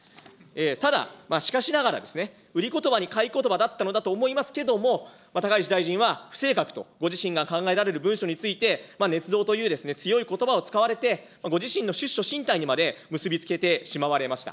ただ、しかしながらですね、売りことばに買いことばだったのだと思いますけれども、高市大臣は不正確と、ご自身が考えられる文書について、ねつ造という強いことばを使われて、ご自身の出処進退にまで結び付けてしまわれました。